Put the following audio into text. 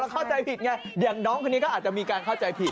เข้าใจผิดไงอย่างน้องคนนี้ก็อาจจะมีการเข้าใจผิด